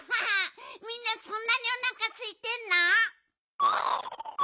みんなそんなにおなかすいてんの？